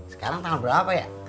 sekarang tanggal berapa ya